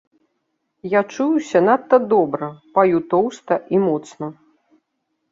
Я чуюся надта добра, паю тоўста і моцна.